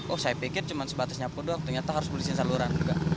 oh saya pikir cuma sebatas nyapu doang ternyata harus beliin saluran juga